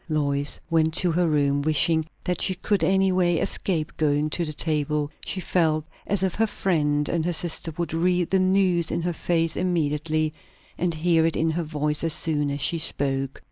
Lois went to her room, wishing that she could any way escape going to the table; she felt as if her friend and her sister would read the news in her face immediately, and hear it in her voice as soon as she spoke.